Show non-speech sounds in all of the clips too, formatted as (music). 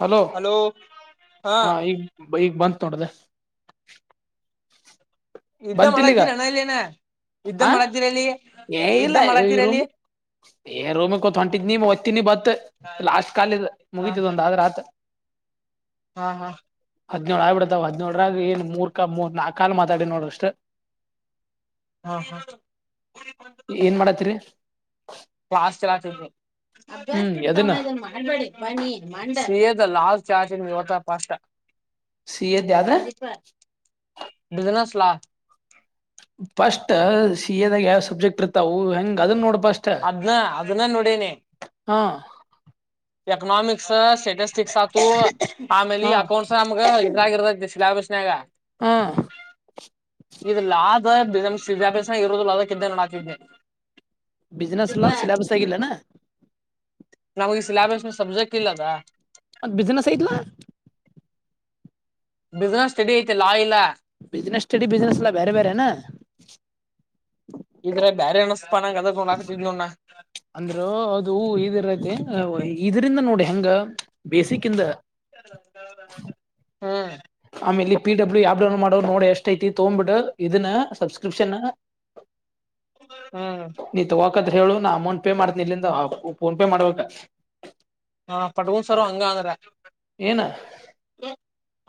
Hello ಹಾ ಹ ಈಗ ಈಗ ಬಂತ ಟದೆ ಇದ್ದ ಮಾಡತೀರ ಅಣಲ್ಲಿ ಏನ ಇದ್ದ ಆ ಮಾಡತೀರಲ್ಲಿ ಏ ಇದ್ದ ಇಲ್ಲ ಈ ರೂಮ್ ಮಾಡತೀರಲ್ಲಿ ಏ ರೋಮಿತ್ ಹೊಂಟಿದ್ ನೀ ಹೊತೀನಿ ಬತ್ ಲಾಸ್ಟ್ ಕಾಲ ಹಾ ಮುಗತದ ಒಂದ್ ಆದ್ರತ್ ಹಾ ಹಾ ಹದಿನೇಳಳ್ ಆಗ್ಿಬಿಡ್ತಾವ ಹದ್ಿನೇಳರಾಗ ಏನ್ ಮೂರ್ ಮೂ ನಾಕ ಕಾ ಮಾತಾಡಿ ನೋಡು ಅಷ್ಟೆ ಹಾ ಹಾ ಏನ್ ಮಾಡತ್ತರಿ ಕ್ಾಸ್ ಚಲಾ ಅ್ಯಾಸ ಹ್ಮ್ ಬಿಮ್ಮ ಎದನ್ನ ಇದ ಮಾಡಬೇಿ ಲ ಚಾರ್ ಯ ಸಿ ಎದ್ ಆದ್ರ ಬಿಿಸಿನಸ್ ಲಾ ಫಸ್ಟ್ ಸಿ ಎದಾಗ ಯಾವ ಸಬ್ಜೆಕ್ಟ್ ಇರ್ತವು ಹೆಂಗ ಅದನ್ನ ನೋಡ್ಬ ಅದ್ನ್ನ ಅದನ್ನ ನೋಡನಿ ಹಾ ಎಕನಾಮಿಕ್ಸ್ ಸ್ಟೇಟಸ್ಟಿಕ್ಸ್ ಹಾಕು ಆಮೇಲೆ ಹಾ ಅಕೌಂಟ್ಸ್ ನಮ್ಗ ಇದ್ರಾಗಿರ್ತೈತಿ ಶ್ಲಾ ಬ್ನ್ಯಾಗ ಹಾ ಇ ಲ ಆದ ವಿದ್ಯಾಭ್ಯಾಸ ಇರುೋದಿಲ್ಲ ಆದ ದ್ದ ನ ಹಾಕಿದ್ದೆ ಬಿಿಸಿನಸ್ಲ್ಲಾ ಸಿಲಾಬಸ್ ಆಗಿಲ್ಲನಾ ನವುೆ ಸಿಲೆೇಬಸ್ ಮ ಸಬ್ಜೆಕ್ಟ್ ಇಲ್ಲದ ಒದ ಬಿಸ್ಿನೆಸ್ ಐತ್ಲಾ ಬಿಸ್ನೆಸ್ ಸ್ಟೆಡಿ ಐತೆ ಲಾ ಇಲ್ಲ ಬಿಿಸ್ಿನಸ್ ಸ್ಟಡಿ ಬಿಿಸಿನಸ್ ಎಲ್ಲ ಬೇರೆ ಬೇರೆನ ಇದ್ರ ಬ್ಯಾರೆ ಅನಸ್ಪ ನಂಗ ಅದ ನೋಡಾಕತಿದ್ ನೋಡ್ ನಾ ಅಂದ್ರೆ ಅದು ಇಗಿರದು ಇದರಿಂದ ನೋಡಿ ಹೆಂಗ ಬೇಸಿಕ್ಂದ ಅ (unintelligible) ಆಮ ಇಲ್ಲಿ ಪಿ ಡಬ್ಲ್ಯೂ ಯಾವ ಡೌನ್ ಮಾಡೋ ನೋಡಿ ಎಷ್ಟ ಐತಿ ತಗ್ಬಿಡ್ ಇದನ್ನ ಸಬ್ಸ್ಕ್ರಿಪ್ಷನ್ ಹ್ಮ್ ನೀ ತಗೋಕತ್ ಹೇಳು ನಾ ಅಮೌಂಟ್ ಪೇ ಮಾಡ್ತನಿ ಇಲ್ಲಿಂದ ಫೋನ್ ಪೇ ಮಾಡ್ಬೇಕ ಹಾ ಪಡ್ಗನ್ಸಾರ ಹಂಗ ಅಂದ್ರ ಏನ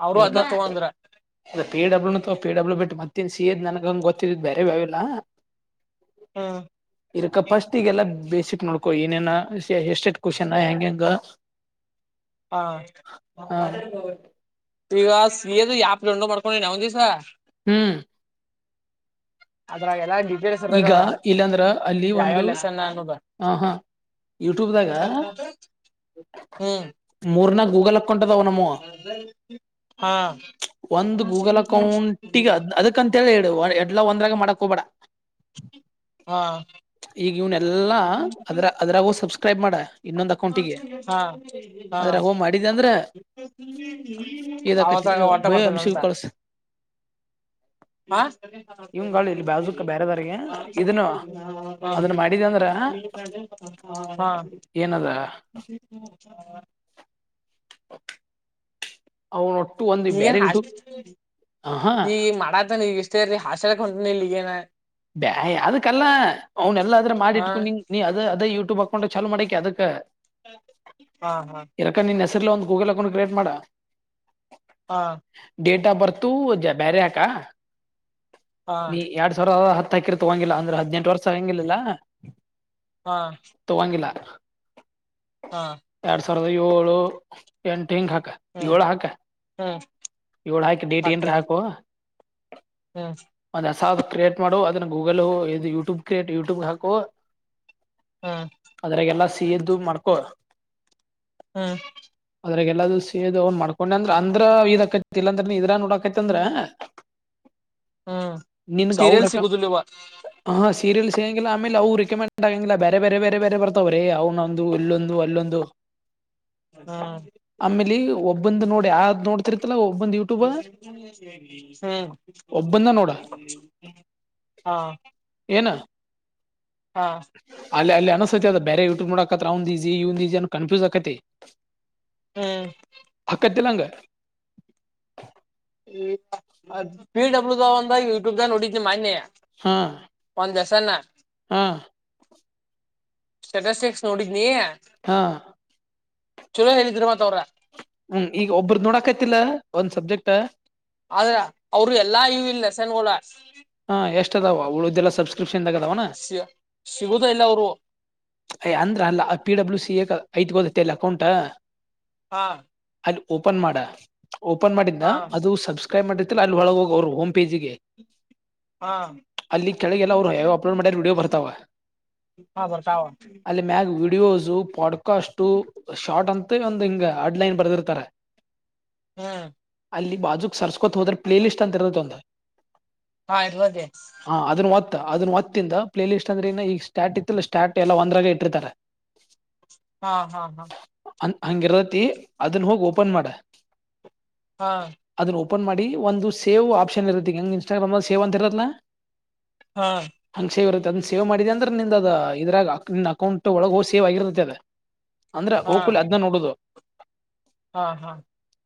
ಅವರು ಅದ್ನ ಇಕಾ ತಗೊಂದ್ರ ಪಿ ಡಬ್ಲ್ಯೂನು ಪಿ ಡಬ್ಲ್ಯೂ ಬಿಟ್ಟ ಮತ್ತನ್ ಸಿದ್ ನನಗಂಗಗೆ ಗೊತ್ತಿದ್ ಬೇರೆ ಬ್ಯಾವಿಲ್ಲ (unintelligible) (unintelligible) ಹಾ ಇರಕ್ಕ ಫಸ್ಟ್ ಈಿಗೆಲ್ಲ ಬೇಸಿಕ್ ನೋಡ್ಕೋ ಏನೇನಾ ಎಸ್ಟೇಟ್ ಕ್ವನ್ ಹೆಂಗ ಹೆಂಗ ಹಾ ಹ ಸ ಯಾಪ್ಂಡೋ ಮಾಡ್ಕೊಂಡೇ ನ ಒಂದ ದಿವ್ಸ ಹ್ಮ್ ಅದ್ರಾಗ ಎಲ್ಲ ಈಗ ಇಲ್ಲಾಂದ್ರ ಅಲ್ಲಿ ಒಂದು ಲೆಸನ್ ಅನ್ನೋದ ಹ ಹಾ ಯೂಟ್ಯೂಬ್್ದಾಗ ಮೂರ್ನಾಗ ನಸ (unintelligible) (inaudible) ಒಂದು ಗೂಗಲ್ ಅಕೌಂಟಗ ಅದಕ್ಕಂತ ಡು ಎಡ್ಲಾ ಒಂದ್ರಾಗ ಮಾಡಕಕ್ ಹ್ಬೇಡ ಹಾ ಈಗ ಇವ್ನ್ಲ್ಲಾ ಅದ್ರ ಅದ್ರಾಗೂ ಸಬ್ಸ್ಕ್ರೈಬ್ ಮಾಡ ಇನ್ನೊಂದು ಹಾ ಅಕೌಂಟಿಗೆ ಹಾ ಆದ್ರೆೋ ಮಾಡಿದೆ ಅಂದ್ರೆ ಅವತ್ತಾಗ ಬಯೋ ಎಮಷಗ ಕಳಸ ಹ ಸ ಇವಂಗಳು ಇಲ್ಲಿ ಬಾಜುಕ ಬೇರೆದವ್ರಿಗೆ ಇದನ್ನು ಅದನ್ನ ಮಾಡಿದ ಅಂದ್ರ ಹ ಏನದ (inaudible) (unintelligible) ಅವನ ಈನ್ ಆಹಾ ಈಗ ಮಾಡಾತಾನ ಈಗಷ್ಟ ೇರಿ ಹಾಸ್ಯ ಹೊಂನ ಇ ಏನ ಬೇ ಅದಕ್ಕಲ್ಲ ಅವ್ನ್ಲ್ಲ ಆದ್ರ ಮಾಡಿ ಹಾ ಇಟ್ಕೊಂಡ ನೀ ಅದ ಅದೇ ಯ ಬಾಕೊಂಡ ಚಲೋ ಮಾಡಕಿ ಅದಕ್ಕೆ ಹಾ ಹಾ ಒಂದು ಗೂಗಲ್ ಅಕೌಂಟ್ ಕ್ರಿಯೇಟ್ ಮಾಡ ಹಾ ಬರ್ತ ಬೇರೆ ಯಕ ಹಾ ನೀ ಎರಡ್ ಸಾವಿರ ಹ ಹಾಕಿರ್ ತೊಗಂಗಿಲ್ಲ ಅಂದ್ರೆ ಹದ್ಿನೆಂಟು ವರ್ಷ ಹಂಗಲಿಲ್ಲ ಹಾ ತೊಗಂಗಿಲ್ಲ ಹಾ ಸಾವಿರದ ಏಳು ಎಂಟು ಂಗ ಹಾಕ ಹ್ಮ್ ಏಳ ಹಾಕ ಹ್ಮ್ ಏಳ ಹಾಕ ಡೇಟ್ ಏನ್ ಹಾಕುವ ಹ್ಮ ಯಸ ಕ್ರಿಯೇಟ್ ಮಾಡು ಅದನ್ನ ಗೂಗಲ್ ಇ ಯೂಟ್ಯೂಬ್ ಕ್ರಿಯೇಟ್ ಯೂಟ್ಯೂಬ್ ಹಾಕು ಹ್ಮ್ ಅದ್ರಾಗಲ್ಲಾ ಸಿಯದ್ದು ಮಾಡ್ಕೊ ಹ್ಮ ಅದ್ರಾಗ ಎಲ್ಲದುೂ ಸೇದ್ ಅವ್ನ್ ಮಾಡ್ಕೊಂಡೆ ಅಂದ್ರ ಅಂದ್ರ ಇದಕತಿ ಇಲ್ಲಾಂದ್ರ ನೀ ಇದ್ರಾ ನೋಡಕೈತಿ ಅಂದ್ರ ಹ ಸೀರಿಯಲ್ ಸಿಗುದಿಲ್ಲ ಯವ್ವ? (unintelligible) (unintelligible) ಹಾ ಸೀರಿಯಲ್ಸ್ ಹೇಂಗಿಲ್ಲ ಆಮೇಲೆ ಅವು ಆ ಆ ಸೀರಿಯಲ್ ಸಿಗೋಂಗಿಲ್ಲ ಆಮೇಲೆ ಅವ ರೆಕಮೆಂಡ್ ಟೈಮ್ ಇಲ್ಲ ಬೇರೆ ಬೇರೆ ಬೇರೆ ಬ ಬರ್ತಾವ್ರೆ ಅವನೊಂದು ಇಲ್ಲೊಂದು ಅಲ್ಲೊಂದು (unintelligible) ಹ್ಮ್ ಆಮೇಲಿ ಒಬ್ಬಂದ ನೋಡಿ ಯಾವದ ನೋಡ್ತಿರ್ತಲ್ಲ ಒಬ್ಬ (unintelligible) (inaudible) ಹ ಒಬ್ಬಂದ ನೋಡ (unintelligible) ಹಾ (unintelligible) ಏನ್ ಅಲ್ಲ ಅಲ್ಲೇ ಹಾ (unintelligible) ಅನಸೈತೆ ಅದ ಬೇರೆ ಯೂಟ್ಯೂಬ್ ನೋಡೋಕತ್ರ ಅವಂದ ಈಜಿ ಇವಂದ ಈಜಿ ಕನ್ಫ್ಯೂಸ್ ಆಕೈತಿ. (unintelligible) ಹೂ (unintelligible) ಹಂಗ ಈ ಆದ ಪಿ ಡಬ್ಲ್ಯೂ ದ ಒಂದ್ ಅಂದಾಗ ಯೂಟ್ಯೂಬ್ ದಾಗ ನೋಡಿದ್ದೆ ಮೊನ್ನೆ? (unintelligible) ಹಾ ಹಾ (unintelligible) ಸ್ಟೆಟೆಕ್ಸ್ ನೋಡಿದ್ನಿ. (unintelligible) ಹಾ (unintelligible) ಚಲೋ ಹೇಳಿದ್ರ ಮತ್ತ ಅವರ (unintelligible) ಹೂ ಈಗ ಒಬ್ಬರದ ನೋಡಕೈತಿಲ್ಲ ಒಂದ್ ಸಬ್ಜೆಕ್ಟ್. (unintelligible) ಆದ್ರ ಅವರು ಎಲ್ಲಾ ಇವ ಇಲ್ ಲೇಸನ್ಗಳ (unintelligible) ಹುಚ್ಚ ಅದಾವ ಅವು ಈ ದೇಲ್ಲ ಸಬ್ಸ್ಕ್ರೈ (unintelligible) ಸಿ ಸಿಗುದ ಇಲ್ಲ ಅವರು? (unintelligible) ಅಯ್ಯ ಅಂದ್ರ ಅಲ್ಲ ಪಿ ಡಬ್ಲ್ಯೂ ಸಿ ಎ ಕ ಐತಿ ಗೊತ್ತಾಯ್ತಲ್ಲ ಅಕೌಂಟ? (unintelligible) ಹಾ (unintelligible) ಅಲ್ಲಿ ಓಪನ್ ಮಾಡ ಓಪನ್ ಮಾಡಿಂದ ಹಾ ಅದು ಸಬ್ಸ (unintelligible) ಕೈ ಮಾಡಿರ್ತಿಲ್ಲ ಅಲ್ಲಿ ಒಳಗ ಹೋಗ ಅವ್ರರು ಹೋಮ್ ಪೇಜಿಗೆ? ಹಾ (unintelligible) ಅಲ್ಲಿ ಕೆಳಗೆಲ್ಲ ಅವರು ಯಾವ ಯಾವ ಅಪ್ಲೋಡ್ ಮಾಡಿರ ವಿಡಿಯೋ ಬರ್ತಾವ. (unintelligible) ತಾವ (unintelligible) ವೀವ್ಸ್ ಪಾಡ್ಕಾಸ್ಟು ಶಾರ್ಟ್ ಅಂತ ಒಂದ್ ಹಿಂಗ ಅಡ್ ಲೈನ್ ಬರೆದಿರ್ತಾರ. (unintelligible) ಹು (unintelligible) ಅಲ್ಲಿ ಬಾಜುಕ್ ಸರ್ಸ್ಕೊತ ಹೋದ್ರ ಪ್ಲೇ ಲಿಸ್ಟ್ ಅಂತ ಇರತ್ತ ಒಂದ. (unintelligible) ಹಾ ಇರ್ತೇತಿ. (unintelligible) ಅದನ್ ಒತ್ತಿಂದ ಪ್ಲೇಲಿಸ್ಟ್ ಅಂದರ ಏನ್ ಈಗ ಸ್ಟಾರ್ಟ್ ಇತ್ತಲ್ಲ ಸ್ಟಾರ್ಟ್ ಎಲ್ಲ ಒಂದ್ರಾಗ ಇಟ್ಟಿರ್ತಾರೆ. (unintelligible) ಹಾ ಹಾ ಹಾ (unintelligible) ಹ ಹಂಗ ಇರತಿ ಅದನ್ ಹೋಗಿ ಓಪನ್ ಮಾಡ. (unintelligible) ಹಾ? (unintelligible) ಅದನ್ನ ಓಪನ್ ಮಾಡಿ ಒಂದು ಸೇವ್ ಆಪ್ಷನ್ ಇರತ್ತ ಹೆಂಗ್ ಇನ್ಟಾಗ್ರಾಮ್ನಲ್ಲಿ ಸೇವ್ ಅಂತ ಇರತ್ತಲ್ಲಾ? ಹಾ (unintelligible) ಹಂಗ್ ಸೇವ್ ಇರುತ್ತ ಅದನ್ನ ಸೇವ ಮಾಡಿದೇ ಅಂದ್ರ ನಿಂದ ಅದ (unintelligible) ಇದ್ರಾಗ ನಿನ್ನ ಅಕೌಂಟ್ ಒಳಗೋ ಸೇವ್ ಆಗಿರ್ತೈತೆ ಅದ ಅಂದ್ರ ಹಾ ಹೋಗ್ ಕೊಡಲೇ ಅದ್ನ ನೋಡುದು. (unintelligible) ಹಾ ಹಾ (unintelligible)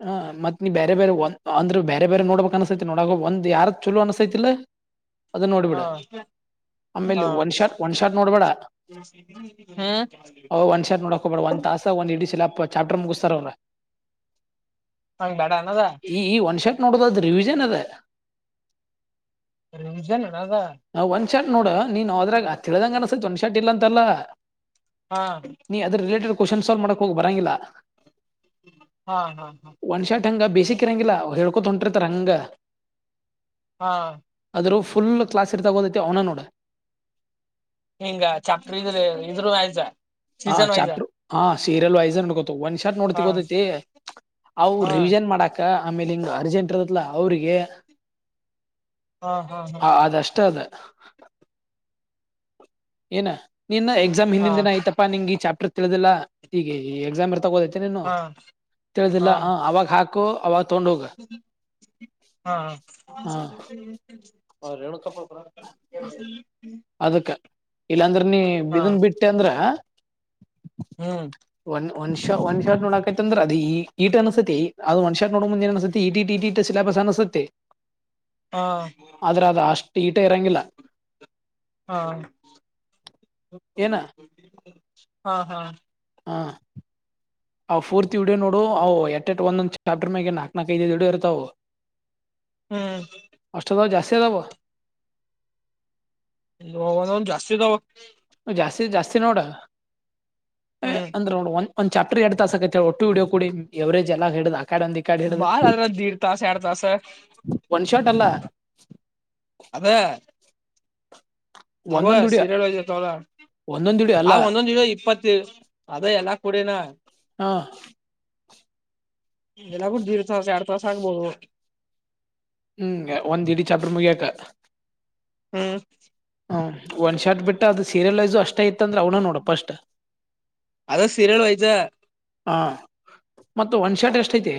ಹ ಮತ್ತ ನೀ ಬೇರೆ ಬೇರೆ ಒಂದ ಅಂದರ ಬೇರೆ ಬೇರೆ ನೋಡ್ಬೇಕ್ ಅನ್ಸೈತಿ ನೋಡಗ ಒಂದ್ ಯಾರದ ಚಲೋ ಅನ್ಸೈತಿಲ್ಲ. (unintelligible) ಅದನ ನೋಡಬೀಡ ಹಾ ಹಾ ಹಾ ಆಮೇಲೆ ಒಂದ ಶಾರ್ಟ ಒಂದ ಶಾರ್ಟ ನೋಡಬೇಡಾ? (unintelligible) ಹ್ಮ್ ಅವ ಒಂದ ಶಾರ್ಟ ನೋಡಕ್ ಹೋಗಬೇಡಾ ಒಂದ್ ತಾಸ ಒಂದ್ ಇಡಿ (unintelligible) ಚಲಪ ಚಾಪ್ಟರ್ ಮುಗಿಸತ್ತಾರ ಅವರ? (unintelligible) ನಂಗ ಬೇಡ ಅನದ? (unintelligible) ನೋಡುದು ಅದು ರಿವಿಷನ್ ಅದ (unintelligible) ರಿವಿಷನ್ ಏನ ಅದ. (unintelligible) ಚಾಟ್ ನೋಡ ನೀನ್ ಅದ್ರಾಗ ಆ ತಿಳ್ದಂಗ ಅನ್ಸತತ ಒಂದ್ ಶಾಟ್ ಇಲ್ಲ ಅಂತಲ್ಲ. (unintelligible) ಹಾ ನೀ ಅದರ ರಿಲೇಟೆಡ್ ಕ್ವಶನ್ ಸಾಲ್ವ್ ಮಾಡಕ್ ಹೋಗ ಬರಂಗಿಲ್ಲ. ಹಾ ಹಾ ಹಾ (unintelligible) ಒನ್ ಶಾಟ್ ಹಂಗ ಬೇಸಕ್ ಇರಂಗಿಲ್ಲ ಹೇಳಕೊನಂತ ಹೊಂಟ್ರ. (unintelligible) ತ್ರಂಗ (unintelligible) ಹಾ (unintelligible) ಅದರುವ ಫುಲ್ ಕ್ಲಾಸ್ ಇರ್ತವ ಗೊತ್ತ ಐತಿ ಅವನ ನೋಡ. (unintelligible) ಹಿಂಗ ಚಪ್ಪ ಇದ್ರ ಇದ್ರೂ ಆಯ್ತಾ? (unintelligible) ಹಾ ವೈಸ ಚಾಪ್ಟರ್ ಹಾ ಸೀರಿಯಲ್ ವೈಸ್ ನೊ ಒಂದ ಶಾರ್ ಹಾ ನೋಡ್ತಿತೈತಿ ಅವು ಹಾ ರಿವಿಷನ್ ಮಾಡಾಕ ಆಮೇಲೆ ಹಿಂಗ ಅರ್ಜೆಂಟ್ ಇರದಲ್ಲ ಅವ್ರಿಗೆ ಹಾ ಹಾ ಅದಷ್ಟ ಅದ ಏನ ನೀನ್ನ ಎಕ್ಸಾಮ್ ಹಾ ಹಿಂದಿನ ದಿನ ಆಯ್ತಪ್ಪಾ ನಿಂಗೆ ಚಾಪ್ಟರ್ ತಿಳಿದಿಲ್ಲಾ ಈಗ ಈ ಎಕ್ಸಾಮ್ ಎರ್ ತಗೋದೈತಿ ನು ಹಾ ತಿಳಿದಿಲ್ಲ ಹ ಅವಾಗ ಹಾಕು ಅವಾಗ ತಗೊಂಡ್ ಹೋಗ ಹಾಂ ಹಾ ಅದಕ್ಕ ಇಲ್ಲಾಂದ್ರೆ ನೀ ಹಾ ಬಿದನ್ ಬಿಟ್ಟೆ ಅಂದ್ರ ಹ್ಮ್ ಒಂದ್ಷ ಒನ್ ಶಾ ನೋಡಕತ್ತ ಅಂದ್ರ ಅ ಈಟ ಅನ್ಸತಿ ಅ ಒಂದ್ ಶಾ ನೋ ಮುಂದ ಏ ಅನ್ಸತಿ ಇ ಇ ಇಟ ಇ ಸಿಲಾಬಸ್ ಅ ನಸತೆ ಹಾ ಆದ್ರೆ ಅದ ಅಷ್ಟು ಈಟ ಇರಂಗಿಲ್ಲ ಹಾ ಏನ ಹಾ ಹಾ ಹಾಂ ಅವು ಫೋರ್ತ್ ಹಡಿಯೋ ನೋಡು ಅವು ಎಟ್ ಎಟ್ ಒಂದೊಂದ್ ಚಾಪ್ಟರ್ ಮ್ಯಾಗ ನಾಕಕ್ ನಾಕಕ್ ಐದದು ಹಡೋ ಇರುತಾವ ಅವು ಹ್ಮ್ ಅಷ್ಟಟ ದಾವ ಜಾಸ್ತಿದಾವ ಇ ಒಂದ ಜಾಸ್ತಿ ಇದದಾವ ಜಾಸ್ತಿ ಜಾಸ್ತಿ ನೋಡ ಏ ಹ್ಮ್ ಅಂದ್ರೆ ನೋಡ ಒ ಒಂದ ಚಾಪ್ಟರ್ ಎರ ತಾಸಕತ್ತ ಹೇಳ ಒಟ್ಟುಡೋ ಕೂಡಿ ಎವರೇಜ ಎಲ್ಲಾ ಹೇಳಿದ ಕಾಡ ಒಂದ ಕಾಡ್ ಹಿಡ್ದ ಬಾಳ ಅದ್ರ ದೀಡ್ ತಾಸ ಎರಡ್ ತಾಸ ಒನ್ ಶಾಟ್ ಅಲ್ಲ ಅದೇ ಅಬ ಒಂದೊಂದ್ ವಿಡಿಯೋ ಸೀರೆಳಯತಳ ಒಂದೊಂದ್ ವಿಡಿಯೋ ಆ ಅಲ್ಲ ಒಂದೊಂದು ಇಪ್ಪತ್ತ ಅದ ಎಲ್ಲ ಪುದೆನಾ ನ ಹಾ ಎಲ್ಲ ಕೂಡ ದೀಡ್ ತಾಸ ಎರ ತಾಸ ಆಗ್ಬೋದು ಹ್ಮ್ ಒಂದ್ ಇಡೀ ಚಪ್ರ ಮುಗಿಯಾಕ ಹ್ಮ್ ಹ ಒಂದ್ ಶಾರ್ಟ್ ಬಿಟ್ಟ ಅದು ಸೀರಿಯಲ್ ವೈಸು ಅಷ್ಟ ಇತ್ತ ಅಂದ್ರೆ ಅವನ ನೋಡಪ ಅಸ್ಟ್ ಅದ ಸೀರಿಯಲ್ ವಹಚ ಹಾಂ ಮತ್ತು ಒನ್ ಶರ್ಟ್ ಎಷ್ಟೈತಿ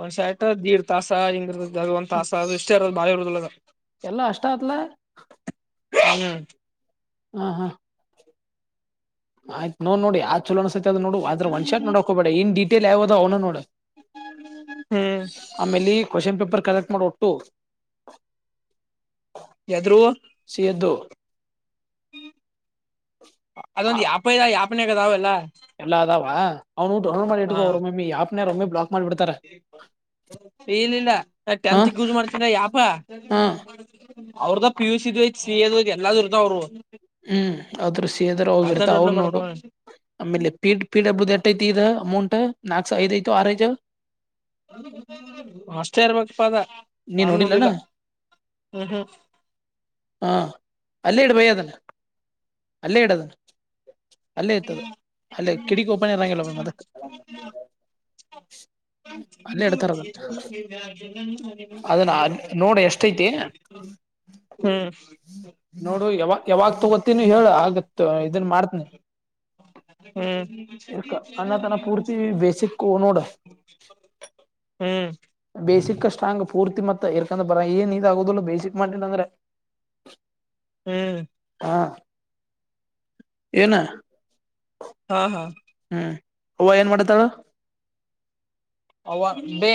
ಒಂದ್ ಶೈಟ್ ದೀಡ್ ತಾಸ ಹಿಂಗ ಇರ್ದ ಅದ ಒಂದ್ ತಾಸ ಅದು ಇಷ್ಟೇ ಇರೋದು ಬಾಳ ಇರುದಿಲ್ಲ ಹ (inaudible) ಹ (unintelligible) ಹಾ ಹಾ ಆಯ್ತ್ ನೋಡ್ ನೋಡಿ ಯ ಚೋಸ ಸತದ ನೋ ಅ ಆದ್ರ ಒಂದ್ ಸಟ್ ನೋಡಕ ಹೋಬೇಡ ಇನ್ ಡಿಟೇಲ್ ಯಾವದ ಅವನು ನೋಡ ಹ್ಮ್ ಆಮೇಲೆ ಕ್ವಶನ್ ಪೇಪರ್ ಕಲೆಕ್ಟ್ ಮಾಡ ಒಟ್ಟು ಯಾದ್ರು ಸಿ ಎದ್ದು ಅದೊಂದು ಯಾಪ ಇದದ ಯಾಪನಗದಾವೆಲ್ಲ ಎಲ್ಲ ಅ ಆದಾವ ಅವ್ನು ಟ್ರವಲ್ ಮಾಡಿು ಅವ ಯಾಪ್ಲಾ ಈ ಇನಿಲ್ಲ ನಾ ಹ ಟೆಂತ್ ಯೂಸ್ ಮಾಡ್ತೀನ ಯಾಪ ಹ ಅವ್ರದ್ದ ಪಿಯೂಷ ಇದ್್ ಶ್ರೀಯದ ಎಲ್ಲದರ್ದ ಅವ್ರು ಹ್ಮ್ ಆದ್ರೂ ಸೇದ್ರ ಅವ ಅದ್ನ ಬಿರ್ತ ಅವ್ ಡೌನ್ಲೋಡ್ ನೋಡು ಮಾಡ್ಕೋ ಆಮೇಲೆ ಪೀಡ್ ಪೀಡಬುದು ಎಟ್ಟೈತಿ ದು ಅಮೌಂಟ್ ನಾಕ್ಸ ಐದಐತು ಆರಐತ ಅಷ್ಟೇ ಇರ್ಬೇಕಪ್ಪ ಅದ ನೀನ್ ನನ್ು ನೋಡಿಲ್ಲನ ನೋಡಿಲ್ಲ ಹ್ಮ್ ಹ್ಮ ಹಾ ಅಲ್ಲಿೇ ಇಡ್ಬ ಅಲ್ಲ ಇಡದ ಅಲ್ಲೇ ಇತದ ಅಲ್ಲೇ ಕಿಟಕ್ಿ ಓಪನ್ ಇರಂಗಲ್ಲ ಅದಕ್ ಅಲ್ಲೇ ಇಡ್ತಾರ ಅದನ್ನ ಅದನ್ನ ನೋಡ ಎಷ್ಟೈತಿ (unintelligible) ಹ್ಮ ಯಾವಾಗ್ ತಗೋತೀನಿ ಹೇಳ ಆಗತ್ ಇದನ್ ಮಾಡ್ತನಿ. ಹ್ಮ ಇರ್ಕ ಅನ್ನತನ ಪೂರ್ತಿ ಬೇಸಿಕ್ ನೋಡ (unintelligible) ಹ್ಮ ಬೇಸಿಕ್ ಸ್ಟ್ರಾಂಗ್ ಪೂರ್ತಿ ಮತ್ತ ಇರ್ಕಂದ ಬರ ಏನ್ ಇದ ಆಗುದಿಲ್ಲ ಬೇಸಿಕ್ ಮಾಡಿದ ಅಂದ್ರೆ ಹ್ಮ ಹಾ, ಏನ ಹಾ ಹ್ಮ್ ಅವ್ವ ಏನ್ ಮಾಡ್ತಾಳ? ಅವ್ವ ಬೇ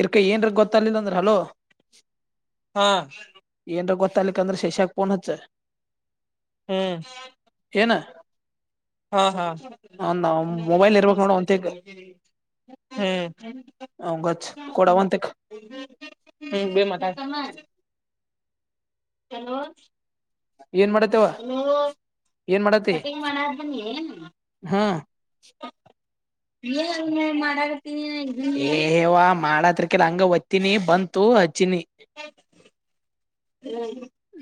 ಇರ್ಕ ಏನ್ರ ಗೊತ್ತಲಿಲ್ಲ ಅಂದ್ರ ಹಲೋ ಹಾ ಗೊತ್ತಾಲಿಕಂದ್ರ ಶೇಷಾಗ್ ಪೋನ್ ಹಚ್ಚ ಹ್ಮ ಏನ ಹಾ ಹಾ ಅವ್ನ್ (unintelligible) ಮೊಬೈಲ್ ಇರ್ಬೇಕ್ ನೋಡ ಅವಂತೆಗ್ ಹ್ಮ ಗಚ್ ಕೊ (unintelligible) ಹಲೋ ಏನ್ ಮಾಡತ್ ಅವ್ವ, ಏನ್ ಮಾಡತಿ ಕಟಿಂಗ್ ಹಾ ೆ ಮಾಡಾರ ಏ ಅವ್ವ ಮಾಡತ್ರಿಕಿಲ್ ಹಂಗ ಒತ್ತಿನಿ ಬಂತು ಹಚ್ಚಿನಿ ಹ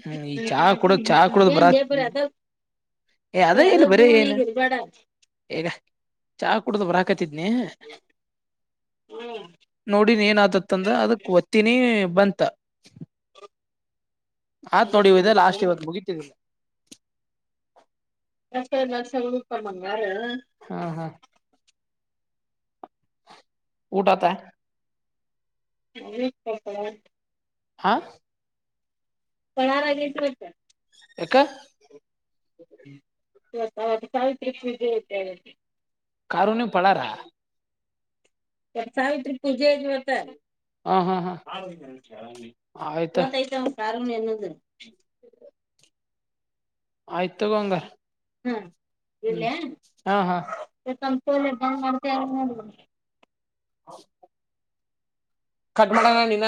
ಹ್ಮ್ ಈ ಚಾ ಕುಡ್ದ್, ಚಾ ಕುಡ್ದ್ ಏನ್ ಲೇ ಬರಿ ಬರತ್ತೀನಿ ಅದ ಏ ಅದೇ ಬರಿ ಅದ ಇಲ್ಲಿ ಬರೀ ಏನು ಗೂನ್ಯಾಗ ಇರ್ಬ್ಯಾಡ ಈಗ ಚಾ ಕುಡ್ದ ಬರಾ ಕತಿದ್ನಿ ನೋಡಿನ್ ಏನಾತತ್ ಅಂದ ಅದಕ್ ಒತ್ತಿನೀ ಬಂತ ಹಾ ಆತ್ ನೋಡಿವ್ ಇದೆ ಲಾಸ್ಟ್ ಇವತ್ ಮುಗಿತಿದು ಎಷ್ಟ ಎಲ್ಲ ಸ ರೂಪ ಮಂಗಾರ ಹಾ ಹಾ ಊಟ ಆತ? (unintelligible) ಆಹ್ ಪಣಾರಾಗತವಟ್ಟ ಯಕಾ (unintelligible) ಕಾರುನ್ಯ ಪಳಾರ ಎಡ್ ಸಾವಿತ್ರಿ ಪೂಜೆ ಐತ್ ಇವತ್ತ ಹಾ ಹಾ ಹಾ ಆಯ್ತ ಇವತ ಇತ ಕಾರಣ ಏನದು ಆಯ್ತ್ ತಗೊ ಅಂಗ ಹ್ಮ ಇಡ್ಲಾ ಹಾ ಹಾ (unintelligible) (inaudible) ಕಟ್ ಮಾಡವ ನೀನ